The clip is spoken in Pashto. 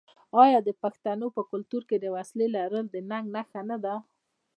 آیا د پښتنو په کلتور کې د وسلې لرل د ننګ نښه نه ده؟